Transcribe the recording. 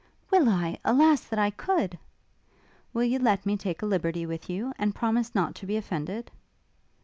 'Will I? Alas, that I could!' 'Will you let me take a liberty with you, and promise not to be offended?'